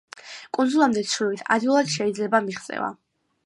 კუნძულამდე ცურვით ადვილად შეიძლება მიღწევა.